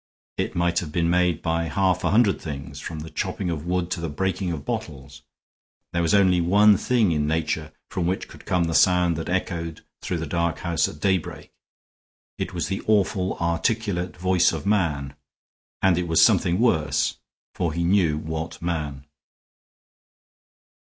It might have been made by half a hundred things, from the chopping of wood to the breaking of bottles. There was only one thing in nature from which could come the sound that echoed through the dark house at daybreak. It was the awful articulate voice of man; and it was something worse, for he knew what man.